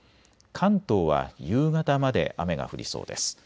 関東は夕方まで雨が降りそうです。